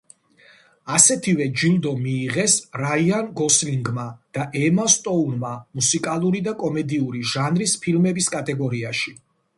ასეთივე ჯილდო მიიღეს რაიან გოსლინგმა და ემა სტოუნმა მუსიკალური და კომედიური ჟანრის ფილმების კატეგორიაში.